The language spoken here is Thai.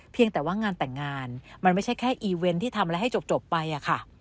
แต่ว่างานแต่งงานมันไม่ใช่แค่อีเวนต์ที่ทำอะไรให้จบไปอะค่ะ